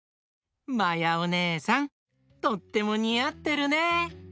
まやおねえさんとってもにあってるね！